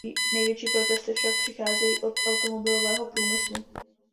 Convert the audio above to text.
Největší protesty však přicházejí od automobilového průmyslu.